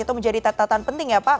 itu menjadi catatan penting ya pak